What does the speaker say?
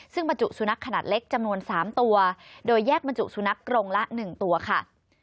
ซึ่งบรรจุสุนัขขนาดเล็กจำนวน๓ตัวโดยแยกบรรจุสุนัขกรงละ๑ตัวค่ะ